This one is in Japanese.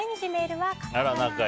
はい。